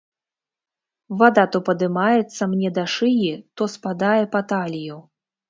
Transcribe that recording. Вада то падымаецца мне да шыі, то спадае па талію.